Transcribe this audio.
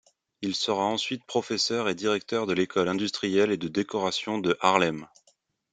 Il sera ensuite professeur et directeur de l'école industrielle et de décoration de Haarlem.